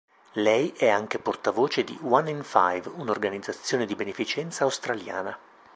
Lei è anche portavoce di "One in Five", un'organizzazione di beneficenza australiana.